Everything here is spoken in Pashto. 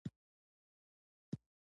کلیمه خپلواکه مانا لري.